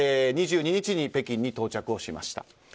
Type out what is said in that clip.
２２日に北京に到着しました。